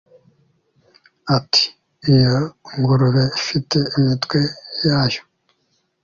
ati 'iyo ngurube ifite imitwe yayo